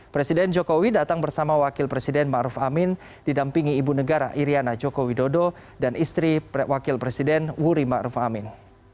presiden jokowi datang bersama wakil presiden ma'ruf amin didampingi ibu negara iryana joko widodo dan istri wakil presiden wuri ma'ruf amin